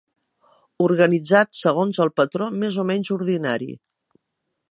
Organitzat segons el patró més o menys ordinari